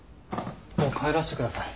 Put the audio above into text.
もう帰らせてください。